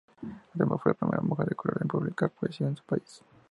Además fue la primera mujer de color en publicar poesía en su país.